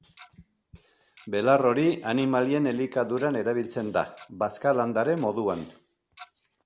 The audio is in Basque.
Belar hori animalien elikaduran erabiltzen da, bazka-landare moduan.